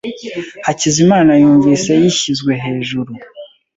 Hakizimana yumvise yishyizwe hejuru.